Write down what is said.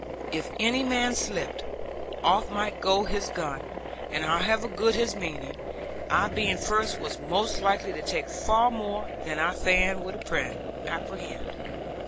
If any man slipped, off might go his gun, and however good his meaning, I being first was most likely to take far more than I fain would apprehend.